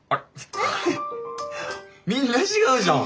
みんな違うじゃん。